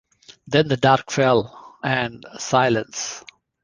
Then the dark fell, and silence.